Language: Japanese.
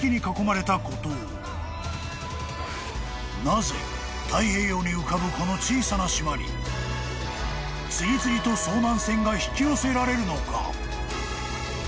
［なぜ太平洋に浮かぶこの小さな島に次々と遭難船が引き寄せられるのか？］